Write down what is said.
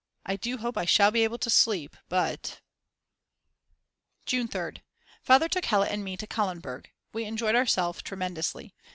I do hope I Shall be able to sleep, but June 3rd. Father took Hella and me to Kahlenberg; we enjoyed ourselves tremendously.